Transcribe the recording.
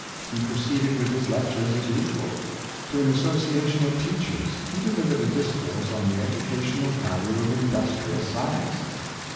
He proceeded with his lectures as usual. To an association of teachers he delivered a discourse on the educational value of industrial science.